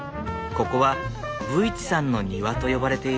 ここは武市さんの庭と呼ばれている。